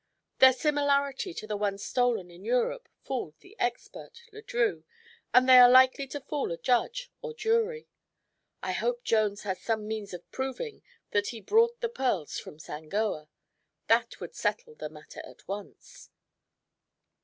Their similarity to the ones stolen in Europe fooled the expert, Le Drieux, and they are likely to fool a judge or jury. I hope Jones has some means of proving that he brought the pearls from Sangoa. That would settle the matter at once."